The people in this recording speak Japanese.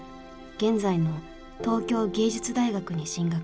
現在の東京藝術大学に進学。